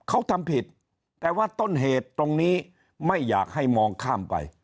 เขาทำผิดแต่ว่าต้นเหตุตรงนี้ไม่อยากให้มองข้ามไป